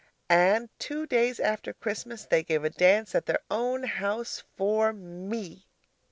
And two days after Christmas, they gave a dance at their own house for ME.